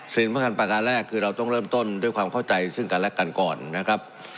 สำคัญประการแรกคือเราต้องเริ่มต้นด้วยความเข้าใจซึ่งกันและกันก่อนนะครับ